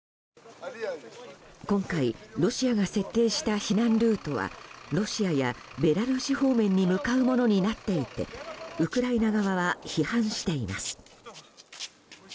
今回、ロシアが設定した避難ルートはロシアやベラルーシ方面に向かうものになっていてウクライナ側は批判しています。